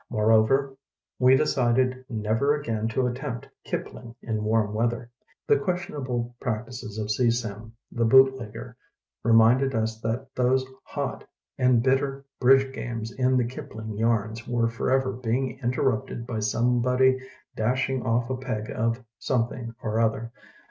Moreover, we decided never again to attempt Kipling in warm weather. The ques tionable practices of See Sim, the bootlegger, reminded us that those hot and bitter bridge games in the Eapling yams were forever being interrupted by somebody dashing off a peg of something or other.